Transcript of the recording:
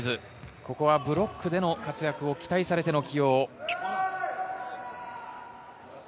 ここはブロックでの活躍を期待されての起用。